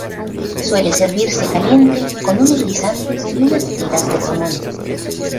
Suele servirse caliente con unos guisantes y unas tiras de jamón.